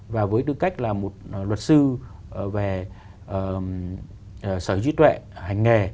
và với tư cách là một luật sư về sở hữu trí tuệ hành nghề